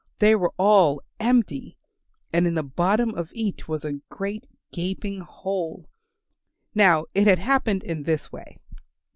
They were all empty, and in the bottom of each was a great gaping hole. Now it had happened in this way.